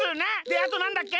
であとなんだっけ？